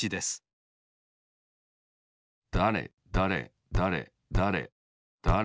だれだれだれだれだれ